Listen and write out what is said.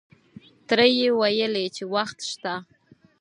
تره یې ویلې چې وخت شته.